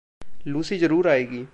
Lucy ज़रूर आएगी।